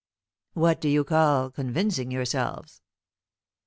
"What do you call convincing yourselves?"